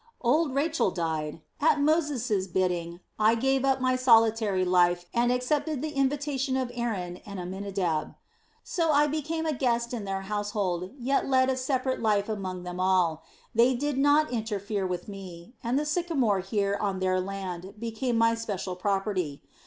"Old Rachel died. At Moses' bidding I gave up my solitary life and accepted the invitation of Aaron and Amminadab. "So I became a guest in their household, yet led a separate life among them all. They did not interfere with me, and the sycamore here on their land became my special property.